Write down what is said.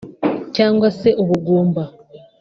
cyangwa se ubugumba